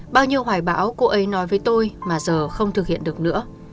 bao nhiêu hoài bão cô ấy nói với tôi mà giờ không thực hiện được nữa